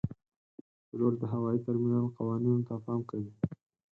پیلوټ د هوايي ترمینل قوانینو ته پام کوي.